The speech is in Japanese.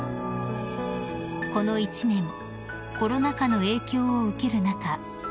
［この一年コロナ禍の影響を受ける中